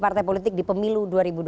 partai politik di pemilu dua ribu dua puluh